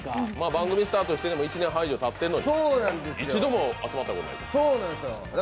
番組スタートして１年半以上たっているのに一度も集まったことないね。